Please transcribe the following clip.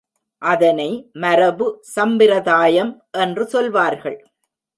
அதனை மரபு, சம்பிரதாயம் என்று சொல்வார்கள்.